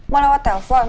mau lewat telpon